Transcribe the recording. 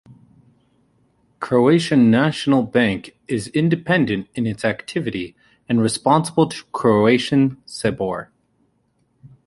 Croatian National Bank is independent in its activity and responsible to Croatian "Sabor".